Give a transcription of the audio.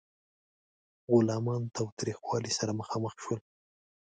غلامان تاوتریخوالي سره مخامخ شول.